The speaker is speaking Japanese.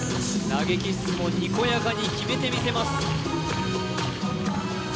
投げキッスもにこやかに決めてみせます